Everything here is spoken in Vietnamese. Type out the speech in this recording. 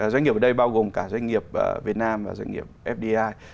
doanh nghiệp ở đây bao gồm cả doanh nghiệp việt nam và doanh nghiệp fdi